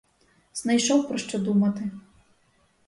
Знайшов про що думати!